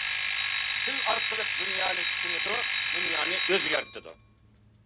تىل ئارقىلىق دۇنيانى چۈشىنىدۇ، دۇنيانى ئۆزگەرتىدۇ.